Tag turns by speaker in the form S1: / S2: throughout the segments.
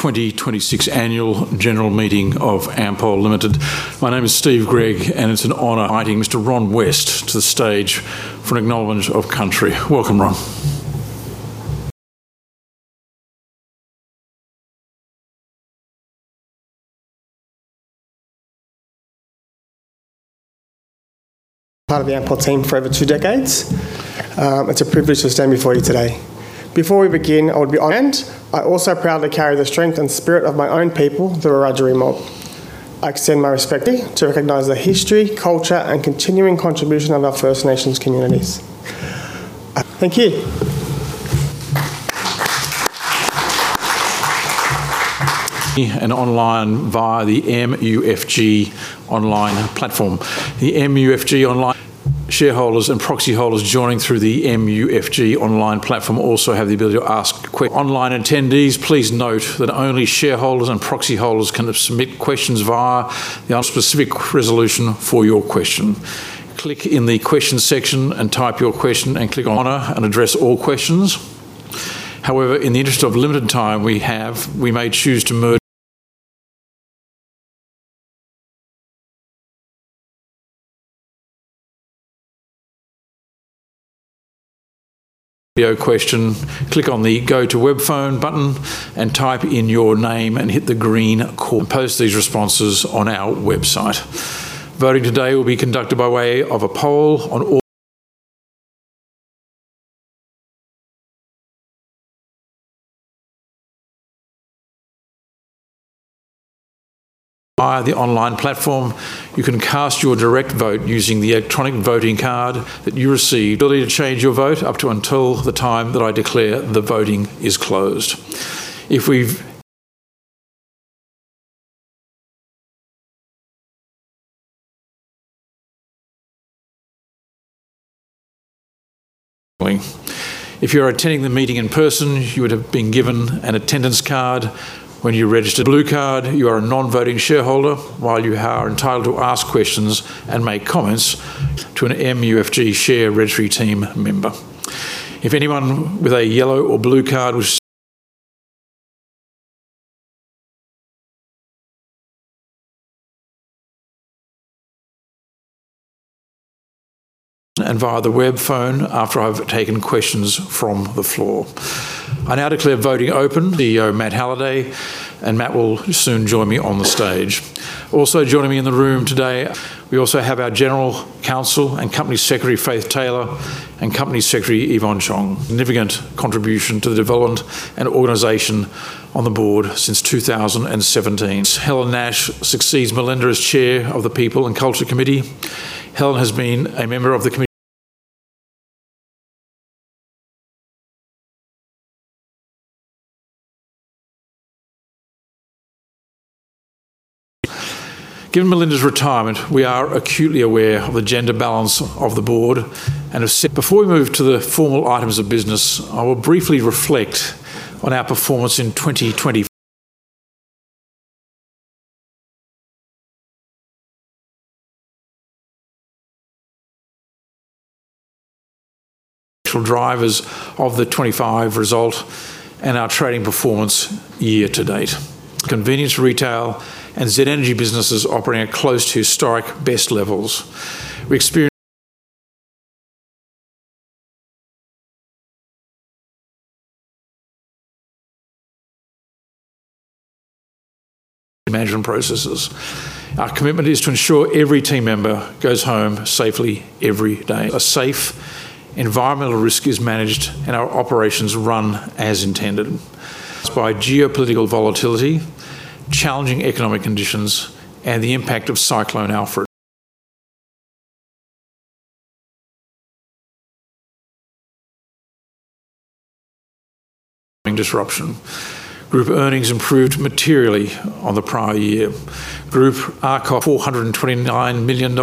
S1: 2026 annual general meeting of Ampol Limited. My name is Steven Gregg. It's an honor inviting Mr. Ron West to the stage for an acknowledgment of country. Welcome, Ron.
S2: Part of the Ampol team for over two decades. It's a privilege to stand before you today. Before we begin. I also proudly carry the strength and spirit of my own people, the Wiradjuri mob. I extend my respect to recognize the history, culture, and continuing contribution of our First Nations communities. Thank you.
S1: Online via the MUFG online platform. Shareholders and proxy holders joining through the MUFG online platform also have the ability to ask que-- Online attendees, please note that only shareholders and proxy holders can submit questions via the on-- Specific resolution for your question. Click in the question section and type your question and click on-- Honor and address all questions. In the interest of limited time we have, we may choose to merge-- Video question, click on the Go To Webphone button and type in your name and hit the green Ca-- Post these responses on our website. Voting today will be conducted by way of a poll on all-- Via the online platform, you can cast your direct vote using the electronic voting card that you received. Ability to change your vote up to until the time that I declare the voting is closed. If you're attending the meeting in person, you would have been given an attendance card when you registered. Blue card, you are a non-voting shareholder. While you are entitled to ask questions and make comments to an MUFG share registry team member. If anyone with a yellow or blue card. Via the web phone after I've taken questions from the floor. I now declare voting open. CEO Matt Halliday. Matt will soon join me on the stage. Also joining me in the room today, we also have our General Counsel and Company Secretary, Faith Taylor, and Company Secretary, Yvonne Chong. Significant contribution to the development and organization on the board since 2017. Helen Nash succeeds Melinda as Chair of the People and Culture Committee. Helen has been a member of the. Given Melinda's retirement, we are acutely aware of the gender balance of the board and have. Before we move to the formal items of business, I will briefly reflect on our performance in 2020. Drivers of the 2025 result and our trading performance year to date. Convenience retail and Z Energy businesses operating at close to historic best levels. Management processes. Our commitment is to ensure every team member goes home safely every day. A safe environmental risk is managed and our operations run as intended. By geopolitical volatility, challenging economic conditions, and the impact of Cyclone Alfred disruption. Group earnings improved materially on the prior year. Group RCOP 429 million,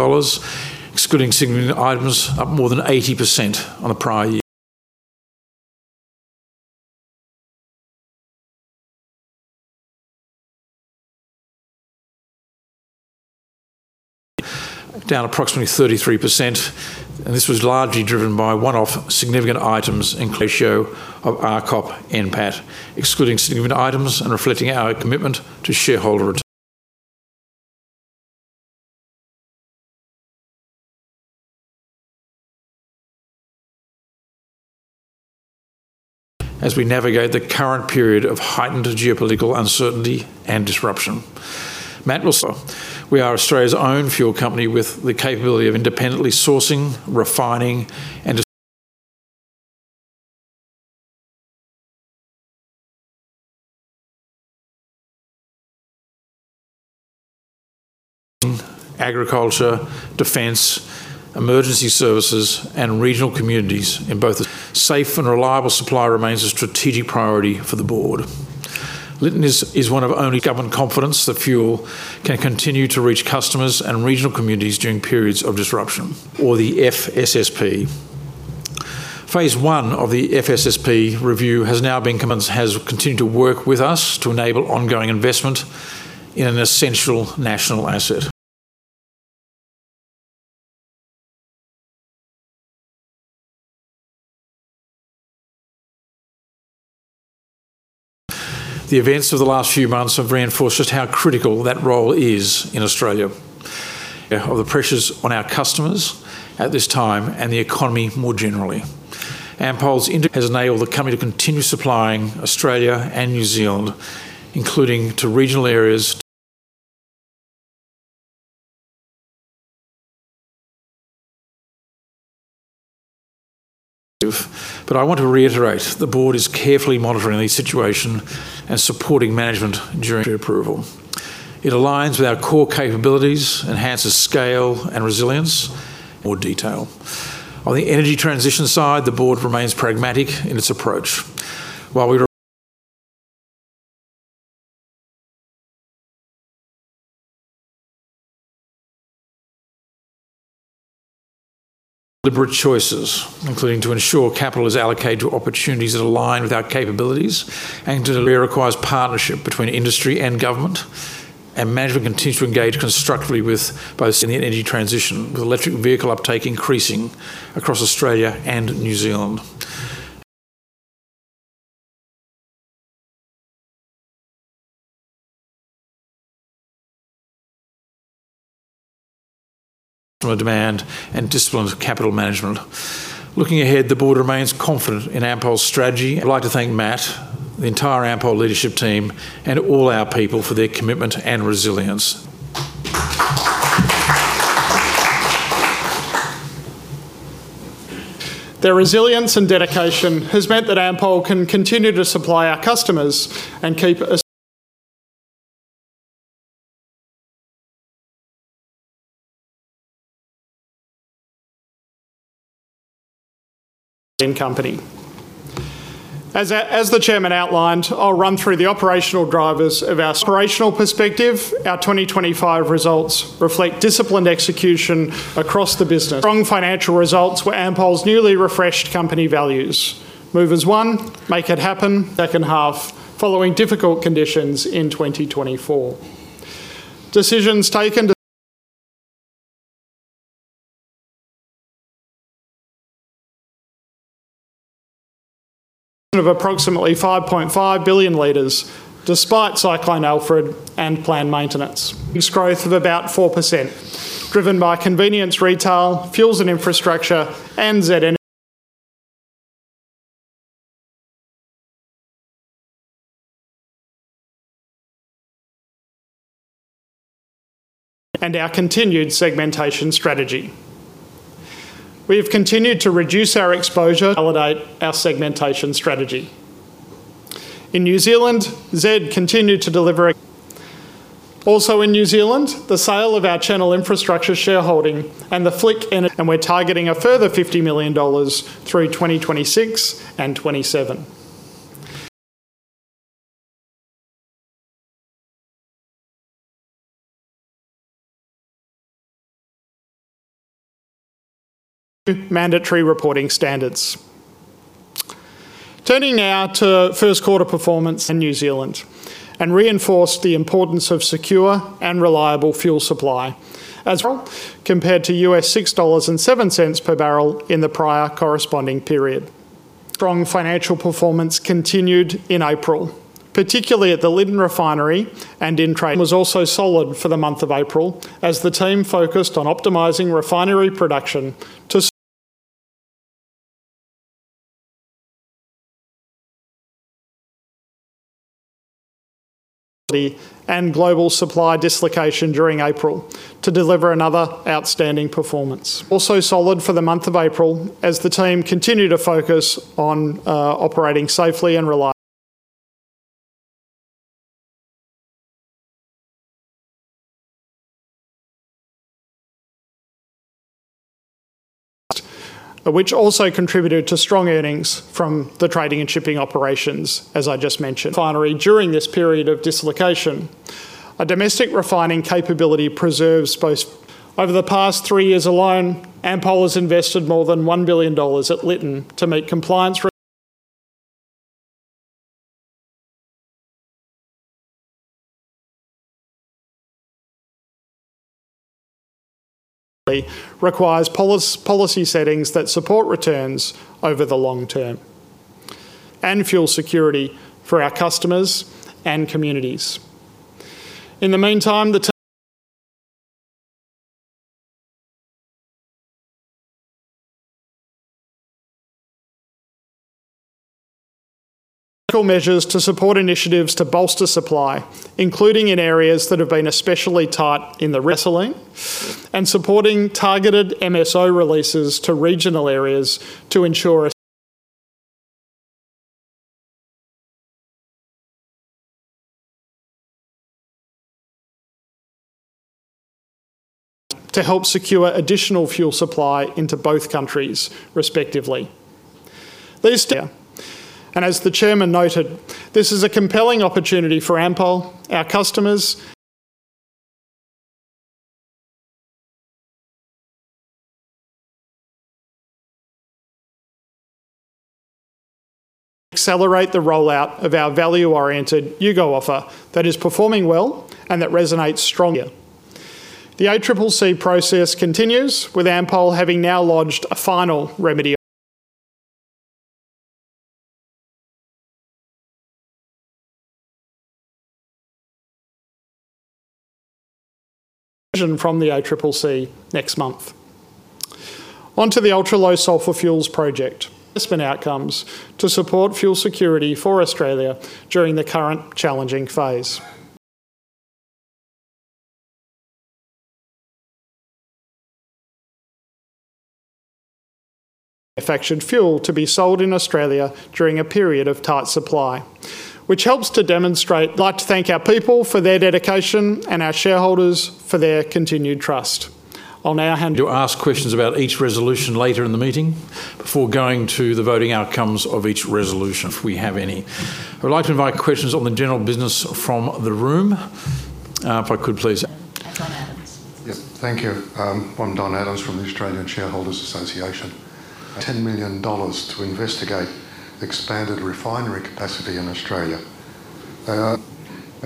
S1: excluding significant items, up more than 80% on the prior. Down approximately 33%. This was largely driven by one-off significant items, including. Ratio of RCOP NPAT, excluding significant items and reflecting our commitment to shareholder. As we navigate the current period of heightened geopolitical uncertainty and disruption. Matt will. We are Australia's own fuel company with the capability of independently sourcing, refining, and. Agriculture, defense, emergency services, and regional communities in both. Safe and reliable supply remains a strategic priority for the board. Lytton is one of only government confidence that fuel can continue to reach customers and regional communities during periods of disruption. The FSSP. Phase one of the FSSP review has now been commenced, has continued to work with us to enable ongoing investment in an essential national asset. The events of the last few months have reinforced just how critical that role is in Australia, of the pressures on our customers at this time and the economy more generally. Ampol's [ind-] has enabled the company to continue supplying Australia and New Zealand, including to regional areas. I want to reiterate, the board is carefully monitoring the situation and supporting management during. It aligns with our core capabilities, enhances scale and resilience. On the energy transition side, the board remains pragmatic in its approach. While we're deliberate choices, including to ensure capital is allocated to opportunities that align with our capabilities and to require partnership between industry and government and management continue to engage constructively with both in the energy transition, with electric vehicle uptake increasing across Australia and New Zealand. customer demand and disciplined capital management. Looking ahead, the board remains confident in Ampol's strategy. I'd like to thank Matt, the entire Ampol leadership team, and all our people for their commitment and resilience.
S3: Their resilience and dedication has meant that Ampol can continue to supply our customers. As the chairman outlined, I'll run through the operational drivers of our From an operational perspective, our 2025 results reflect disciplined execution across the business. Strong financial results were Ampol's newly refreshed company values, move as one, make it happen. Second half following difficult conditions in 2024. Decisions taken of approximately 5.5 billion liters despite Cyclone Alfred and planned maintenance. Volumes growth of about 4%, driven by convenience retail, fuels and infrastructure, and Z Energy and our continued segmentation strategy. We have continued to reduce our exposure validate our segmentation strategy. In New Zealand, Z continued to deliver. Also in New Zealand, the sale of our Channel Infrastructure shareholding and the Flick Energy. We're targeting a further 50 million dollars through 2026 and 2027. Mandatory reporting standards. Turning now to first quarter performance in New Zealand and reinforced the importance of secure and reliable fuel supply as compared to $6.07 per barrel in the prior corresponding period. Strong financial performance continued in April, particularly at the Lytton refinery. Trade volume was also solid for the month of April as the team focused on optimizing refinery production and global supply dislocation during April to deliver another outstanding performance. Also solid for the month of April as the team continued to focus on operating safely and reli, which also contributed to strong earnings from the trading and shipping operations, as I just mentioned. refinery during this period of dislocation. A domestic refining capability preserves both. Over the past three years alone, Ampol has invested more than 1 billion dollars at Lytton to meet compliance. requires policy settings that support returns over the long term and fuel security for our customers and communities. In the meantime, the taking practical measures to support initiatives to bolster supply, including in areas that have been especially tight in the western and supporting targeted MSO releases to regional areas to help secure additional fuel supply into both countries respectively. These. As the Chairman noted, this is a compelling opportunity for Ampol, our customers. Accelerate the rollout of our value-oriented U-Go offer that is performing well and that resonates strongly. The ACCC process continues, with Ampol having now lodged a final remedy decision from the ACCC next month. Onto the ultra-low sulfur fuels project investment outcomes to support fuel security for Australia during the current challenging phase. manufactured fuel to be sold in Australia during a period of tight supply, which helps to demonstrate. I'd like to thank our people for their dedication and our shareholders for their continued trust. I'll now hand.
S1: To ask questions about each resolution later in the meeting before going to the voting outcomes of each resolution, if we have any. I would like to invite questions on the general business from the room.
S4: Don Adams.
S5: Yeah. Thank you. I'm Don Adams from the Australian Shareholders' Association. 10 million dollars to investigate expanded refinery capacity in Australia.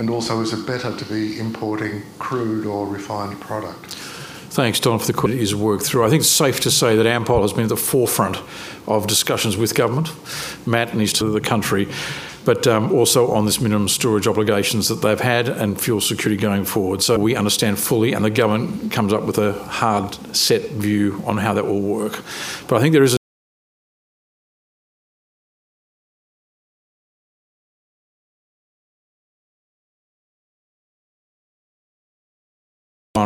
S5: Also, is it better to be importing crude or refined product?
S1: Thanks, Don, for the is worked through. I think it's safe to say that Ampol has been at the forefront of discussions with government. Matt needs to the country, also on this minimum storage obligations that they've had and fuel security going forward. We understand fully, the government comes up with a hard set view on how that will work. I think there is a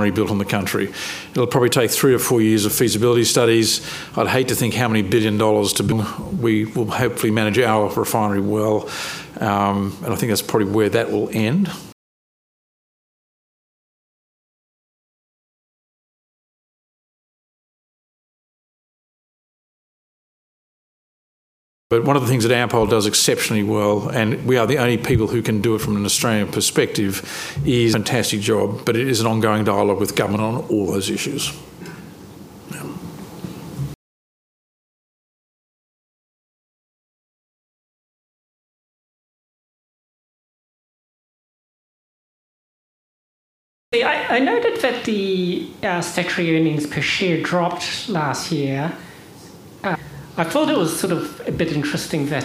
S1: refinery built on the country. It'll probably take three or four years of feasibility studies. I'd hate to think how many billion dollars. We will hopefully manage our refinery well, I think that's probably where that will end. One of the things that Ampol does exceptionally well, and we are the only people who can do it from an Australian perspective, is fantastic job, but it is an ongoing dialogue with government on all those issues.
S6: I noted that the statutory earnings per share dropped last year. I thought it was sort of a bit interesting that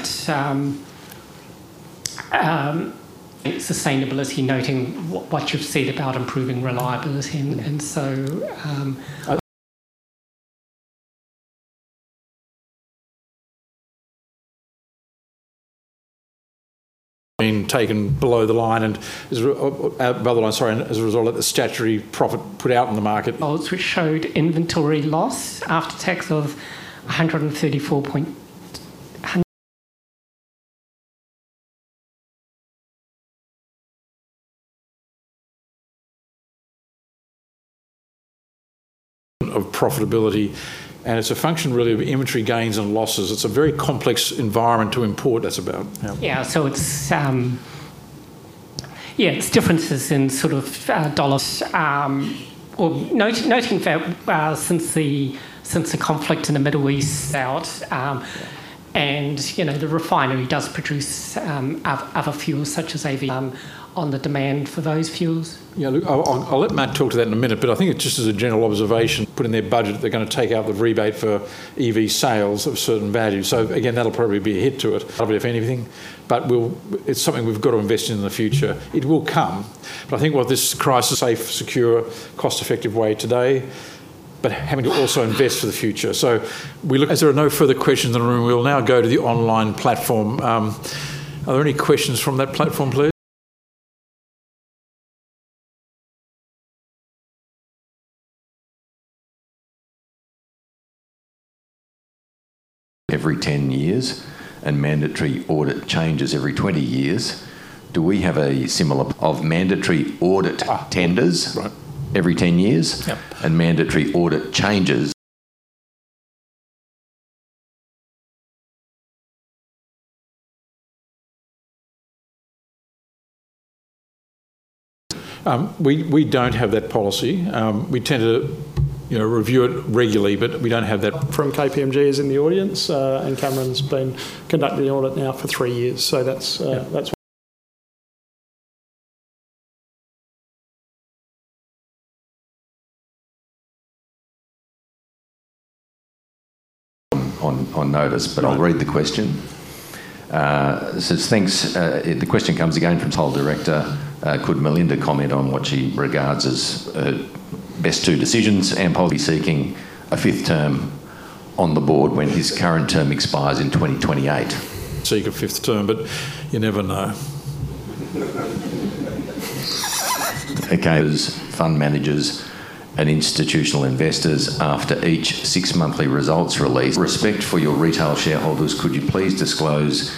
S6: sustainability noting what you've said about improving reliability and so.
S1: Being taken below the line and is or above the line, sorry, as a result of the statutory profit put out in the market.
S6: Results which showed inventory loss after tax of 134 point.
S1: Of profitability. It's a function really of inventory gains and losses. It's a very complex environment to import. That's about, yeah.
S6: It's differences in sort of dollars. Noting that since the conflict in the Middle East out, you know, the refinery does produce other fuels such as saving on the demand for those fuels.
S1: Yeah, look, I'll let Matt talk to that in a minute, but I think it's just as a general observation put in their budget, they're gonna take out the rebate for EV sales of a certain value. Again, that'll probably be a hit to it. Probably if anything, but it's something we've got to invest in the future. It will come, but I think what this crisis safe, secure, cost-effective way today, but having to also invest for the future. We look. As there are no further questions in the room, we will now go to the online platform. Are there any questions from that platform, please?
S7: Every 10 years and mandatory audit changes every 20 years. Do we have a similar of mandatory audit tenders?
S1: Right
S7: every 10 years?
S1: Yep.
S7: Mandatory audit changes?
S1: We don't have that policy. We tend to, you know, review it regularly, but From KPMG is in the audience, and Cameron's been conducting the audit now for three years.
S7: On notice.
S1: Right
S7: I'll read the question. It says, "Thanks," the question comes again from [Tile Director], "Could Melinda comment on what she regards as best two decisions Ampol." Be seeking a fifth term on the board when his current term expires in 2028.
S1: Seeking a fifth term, but you never know.
S7: Okay. As fund managers and institutional investors after each six monthly results release, respect for your retail shareholders, could you please disclose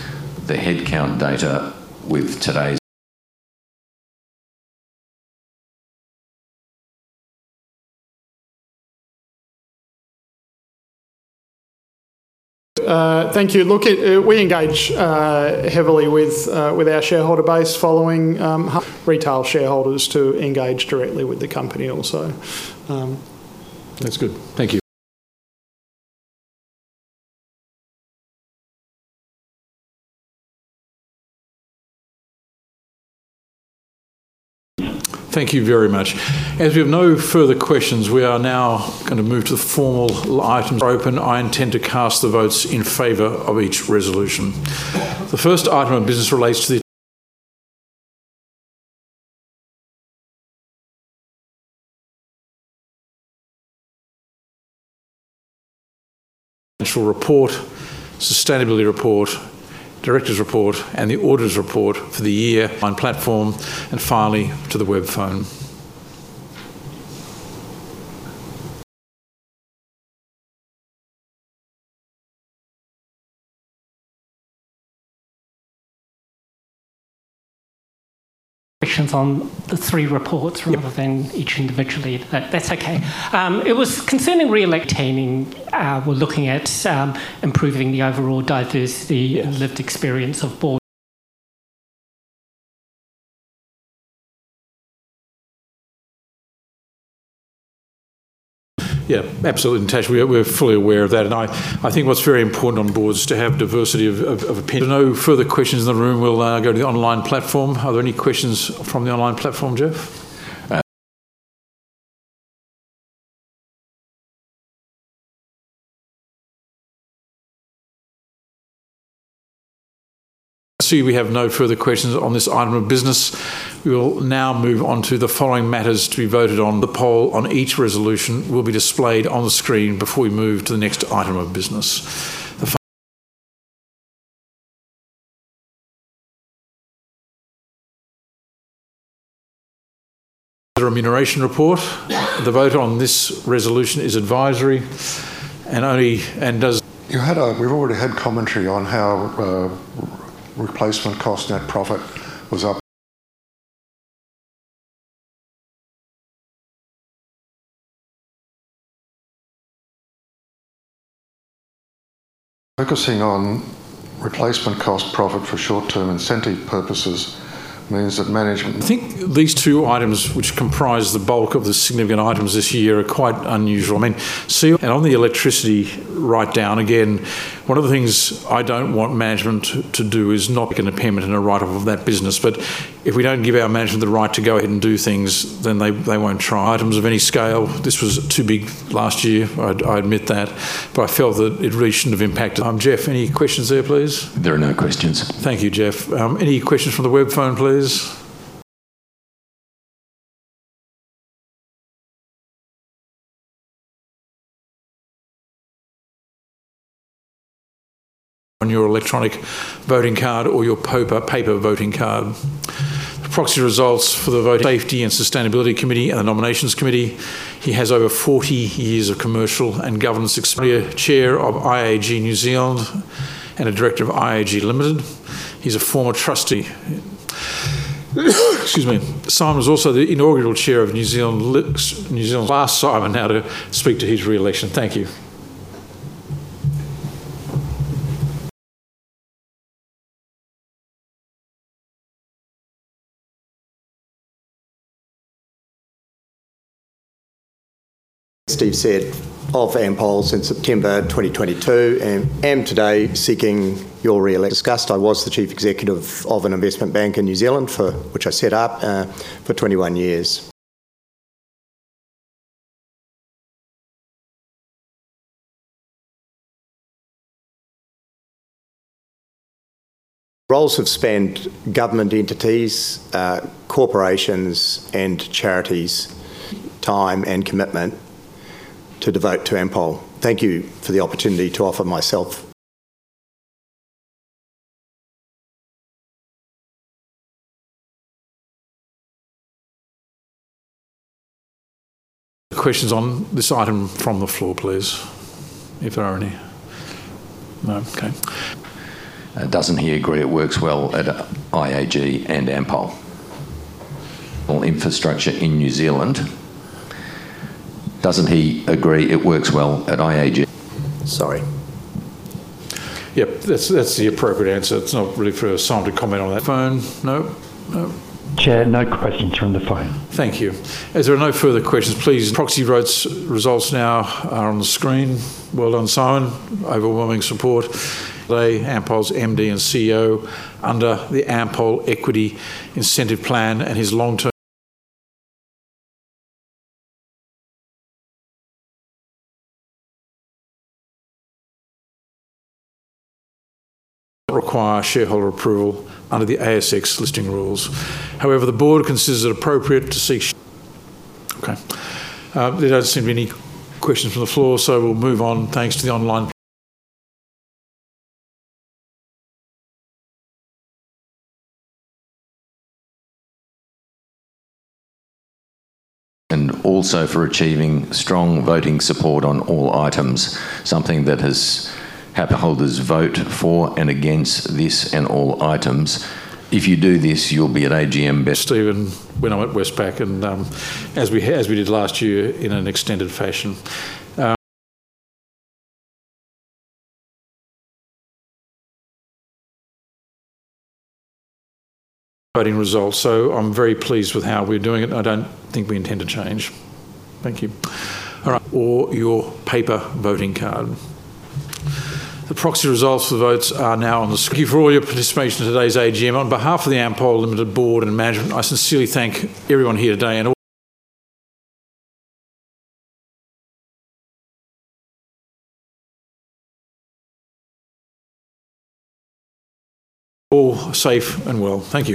S7: the headcount data with today's-
S3: Thank you. Look, we engage heavily with our shareholder base following. Retail shareholders to engage directly with the company also.
S1: That's good. Thank you very much. As we have no further questions, we are now gonna move to the formal items open. I intend to cast the votes in favor of each resolution. The first item of business relates to the financial report, sustainability report, director's report, and the auditor's report for the online platform, and finally to the web phone.
S6: Questions on the three reports.
S3: Yep.
S6: rather than each individually. That's okay. It was concerning re-electing, we're looking at improving the overall diversity and lived experience of board-
S1: Yeah, absolutely, Tash, we're fully aware of that. I think what's very important on boards is to have diversity of opinion. If there are no further questions in the room, we'll go to the online platform. Are there any questions from the online platform, Jeff? I see we have no further questions on this item of business. We will now move on to the following matters to be voted on. The poll on each resolution will be displayed on the screen before we move to the next item of business. The remuneration report. The vote on this resolution is advisory.
S6: We've already had commentary on how replacement cost net profit was up. Focusing on replacement cost profit for short-term incentive purposes means that management.
S1: I think these two items, which comprise the bulk of the significant items this year, are quite unusual. I mean, see. On the electricity writedown, again, one of the things I don't want management to do is not make an impairment and a write-off of that business. If we don't give our management the right to go ahead and do things, then they won't try. Items of any scale. This was too big last year. I admit that. I felt that it really shouldn't have impacted. Jeff, any questions there, please?
S7: There are no questions.
S1: Thank you, Jeff. Any questions from the web phone, please? On your electronic voting card or your paper voting card. The proxy results for the Safety and Sustainability Committee and the Nomination Committee. He has over 40 years of commercial and governance ex- Chair of IAG New Zealand and a director of IAG Limited. He's a former trustee. Excuse me. Simon was also the inaugural chair of New Zealand Li-- New Zealand's last- Simon, now to speak to his re-election. Thank you.
S8: As Steve said, of Ampol since September 2022, and am today seeking your re-election. Discussed, I was the chief executive of an investment bank in New Zealand which I set up for 21 years. Roles have spanned government entities, corporations, and charities, time and commitment to devote to Ampol. Thank you for the opportunity to offer myself.
S1: Questions on this item from the floor, please, if there are any. No? Okay.
S7: Doesn't he agree it works well at IAG and Ampol? Infrastructure in New Zealand. Doesn't he agree it works well at IAG? Sorry.
S1: Yep, that's the appropriate answer. It's not really for Simon to comment on that. Phone? No? No?
S7: Chair, no questions from the phone.
S1: Thank you. As there are no further questions, proxy votes results now are on the screen. Well done, Simon. Overwhelming support. Ampol's MD and CEO under the Ampol Equity Incentive Plan do not require shareholder approval under the ASX listing rules. However, the board considers it appropriate to seek. Okay. There doesn't seem to be any questions from the floor, we'll move on. Thanks to the online-
S7: Also for achieving strong voting support on all items, something that has Shareholders vote for and against this and all items. If you do this, you'll be at AGM.
S1: Steven when I'm at Westpac, and, as we did last year in an extended fashion. Voting results. I'm very pleased with how we're doing it. I don't think we intend to change. Thank you. All right. Or your paper voting card. The proxy results for the votes are now on the screen. Thank you for all your participation in today's AGM. On behalf of the Ampol Limited board and management, I sincerely thank everyone here today and All safe and well. Thank you